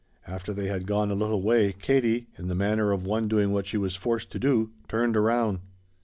After they had gone a little way Katie, in the manner of one doing what she was forced to do, turned around.